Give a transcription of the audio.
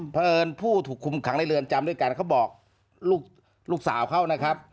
เพราะเอิญผู้ถูกคุมขังในเรือนจำด้วยกันเขาบอกลูกสาวเขานะครับ